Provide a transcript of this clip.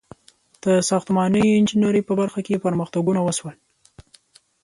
• د ساختماني انجینرۍ په برخه کې پرمختګونه وشول.